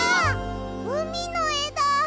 うみのえだ！